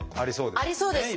ありそうです！